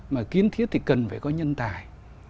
mà kiến thiết thì cần phải có nhân tài